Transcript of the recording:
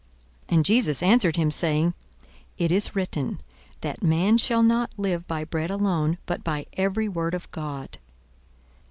42:004:004 And Jesus answered him, saying, It is written, That man shall not live by bread alone, but by every word of God.